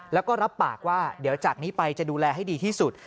แล้วก็รับปากว่าเดี๋ยวจากนี้ไปจะดูแลให้ดีที่สุด